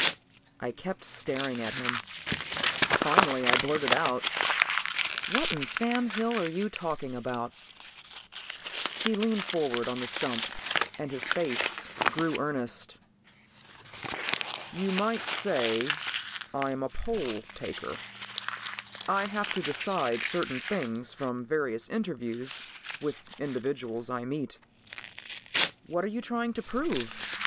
I kept staring at him. Finally I blurted out, "What in Sam Hill are you talking about?" He leaned forward on the stump and his face grew earnest. "You might say I'm a poll taker. I have to decide certain things from various interviews with individuals I meet." "What are you trying to prove?"